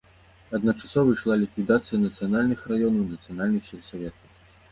Адначасова ішла ліквідацыя нацыянальных раёнаў і нацыянальных сельсаветаў.